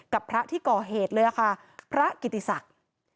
กับพระที่ก่อเหตุเลยค่ะพระกิติศักดิ์